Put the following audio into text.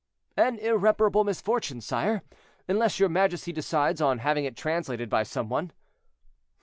'" "An irreparable misfortune, sire, unless your majesty decides on having it translated by some one."